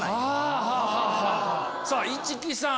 さぁ市來さん。